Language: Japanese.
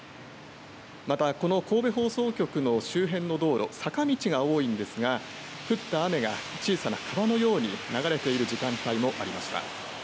また、この神戸放送局周辺の道路、坂道が多いんですが、降った雨が、小さな川のように流れている時間帯もありました。